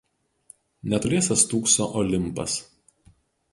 Netoliese stūkso Olimpas.